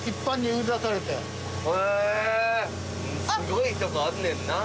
すごいとこあんねんな。